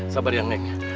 sabar ya neng